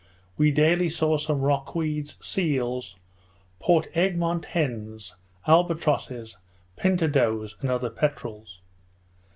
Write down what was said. We daily saw some rock weeds, seals, Port Egmont hens, albatrosses, pintadoes, and other peterels.